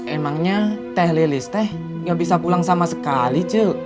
emangnya teh lilis teh nggak bisa pulang sama sekali cil